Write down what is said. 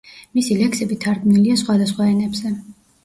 მისი ლექსები თარგმნილია სხვადასხვა ენებზე.